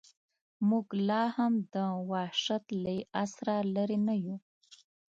موږ لا هم د وحشت له عصره لرې نه یو.